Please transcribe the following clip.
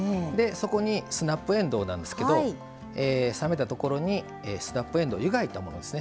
そこにスナップえんどうなんですけど冷めたところにスナップえんどうを湯がいたものですね。